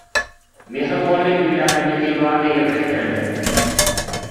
“Mehribonlik” uylari Milliy gvardiyaga biriktirildi